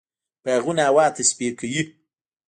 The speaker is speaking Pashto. باغونه هوا تصفیه کوي.